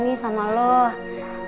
jadi tadi siang gue jalan jalan sama lo